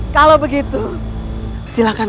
kalau begitu silahkan